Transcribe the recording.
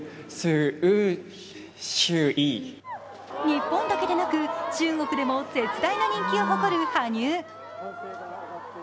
日本だけでなく中国でも絶大な人気を誇る羽生。